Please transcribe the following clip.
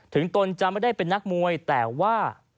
ตนจะไม่ได้เป็นนักมวยแต่ว่า